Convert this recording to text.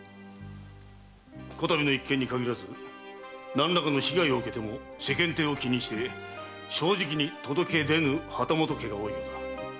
此度の一件に限らず何らかの被害を受けても世間体を気にして正直に届け出ぬ旗本家が多い。